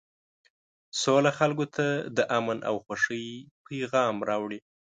سوله خلکو ته د امن او خوښۍ پیغام راوړي.